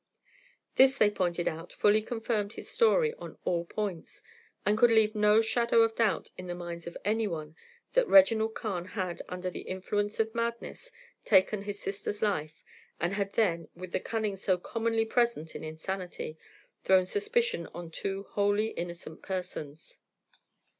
This, they pointed out, fully confirmed his story on all points, and could leave no shadow of doubt in the minds of any one that Reginald Carne had, under the influence of madness, taken his sister's life, and had then, with the cunning so commonly present in insanity, thrown suspicion upon two wholly innocent persons.